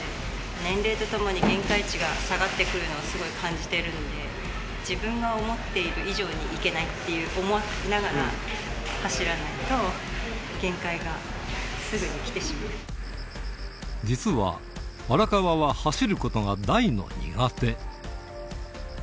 年齢とともに限界値が下がってくるのをすごい感じているので、自分が思っている以上にいけないと思いながら走らないと、限界が実は、荒川は走ることが大の苦手。